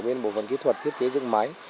bên bộ phần kỹ thuật thiết kế dưng máy